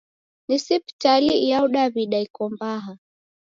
Ni sipitali iyao Daw'ida iko mbaha?